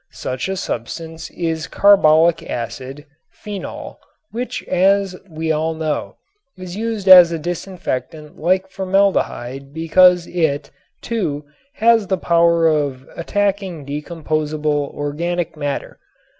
Such a substance is carbolic acid (phenol) which, as we all know, is used as a disinfectant like formaldehyde because it, too, has the power of attacking decomposable organic matter.